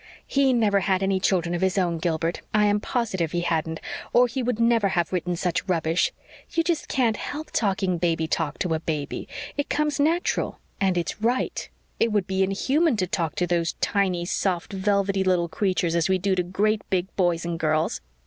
"He never had any children of his own, Gilbert I am positive he hadn't or he would never have written such rubbish. You just can't help talking baby talk to a baby. It comes natural and it's RIGHT. It would be inhuman to talk to those tiny, soft, velvety little creatures as we do to great big boys and girls.